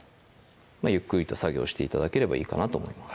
ゆっくりと作業して頂ければいいかなと思います